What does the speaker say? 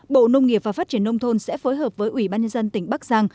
bộ nông nghiệp và phát triển nông thôn sẽ phối hợp với ủy ban nhân dân tỉnh bắc giang